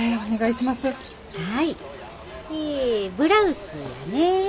えブラウスやね。